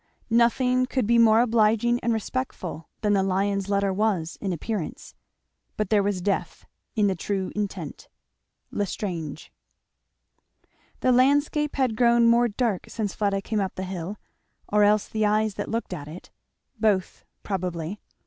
Nothing could be more obliging and respectful than the lion's letter was, in appearance; but there was death in the true intent. L'Estrange. The landscape had grown more dark since Fleda came up the hill, or else the eyes that looked at it. Both probably.